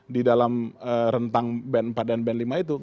di dalam rentang band empat dan band lima itu